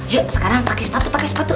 yuk sekarang pakai sepatu pakai sepatu